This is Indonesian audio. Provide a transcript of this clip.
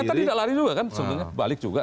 kita tidak lari juga kan sebenarnya balik juga